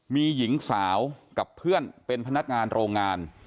มีหญิงสาวกับเพื่อนเป็นพนักงานโรงงาน